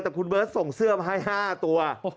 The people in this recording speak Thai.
แต่คุณเบิร์ตส่งเสื้อมาให้๕ตัว